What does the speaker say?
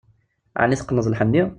Ɛni teqqneḍ lḥenni?